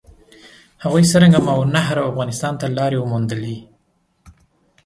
هغوی څرنګه ماورالنهر او افغانستان ته لارې وموندلې؟